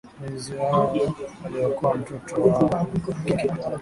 wenzi hao waliokoa mtoto wao wa kike